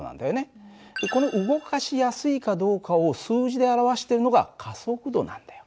この動かしやすいかどうかを数字で表してるのが加速度なんだよ。